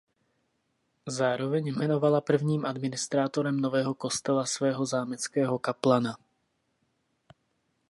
Zároveň jmenovala prvním administrátorem nového kostela svého zámeckého kaplana.